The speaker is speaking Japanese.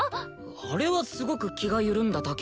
あれはすごく気が緩んだだけだろ。